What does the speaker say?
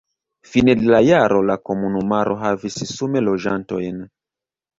Fine de la jaro la komunumaro havis sume loĝantojn.